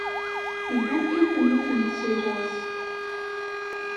Iban kan temmutem seg laẓ.